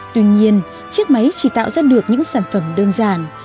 tuy nhiên chiếc máy chỉ tạo ra được những sản phẩm đơn giản